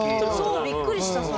そうびっくりしたそれ。